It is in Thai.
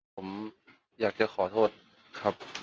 ผมอยากจะขอโทษครับ